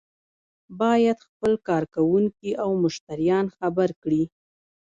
باید خپل کارکوونکي او مشتریان خبر کړي.